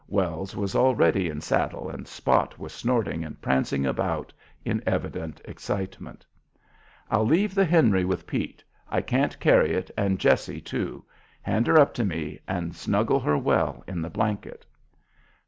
Wells was already in saddle, and Spot was snorting and prancing about in evident excitement. "I'll leave the 'Henry' with Pete. I can't carry it and Jessie, too. Hand her up to me and snuggle her well in the blanket."